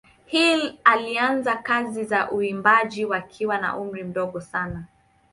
Hill alianza kazi za uimbaji wakiwa na umri mdogo sana.